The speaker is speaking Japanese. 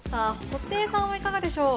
布袋さんはいかがでしょう？